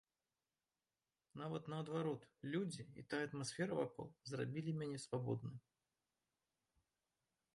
Нават, наадварот, людзі і тая атмасфера вакол зрабілі мяне свабодным.